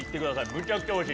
むちゃくちゃおいしい！